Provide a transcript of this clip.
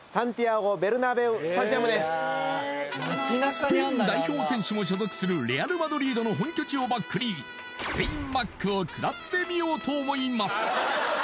スペイン代表選手も所属するレアル・マドリードの本拠地をバックにスペインマックを食らってみようと思います